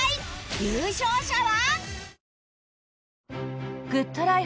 優勝者は！？